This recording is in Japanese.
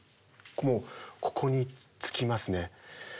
もうここに尽きますね。